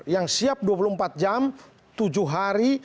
yang siap dua puluh empat jam tujuh hari